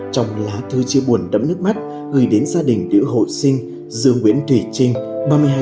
trong lá thương chia buồn đẫm nước mắt gửi đến gia đình nữ hộ sinh dương nguyễn thủy trinh